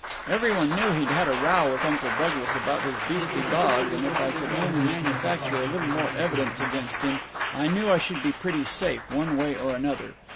Every one knew he'd had a row with Uncle Douglas about his beastly dog, and if I could only manufacture a little more evidence against him I knew I should be pretty safe, one way and another.